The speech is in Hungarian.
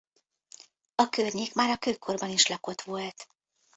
A környék már a kőkorban is lakott volt.